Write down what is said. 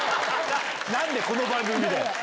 何でこの番組だよ！